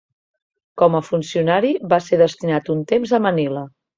Com a funcionari va ser destinat un temps a Manila.